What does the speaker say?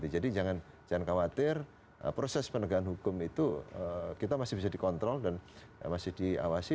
jadi jangan khawatir proses penegahan hukum itu kita masih bisa dikontrol dan masih diawasi